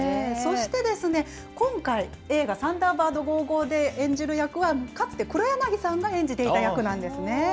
そして、今回、映画、サンダーバード５５／ＧＯＧＯで演じる役は、かつて黒柳さんが演じていた役なんですね。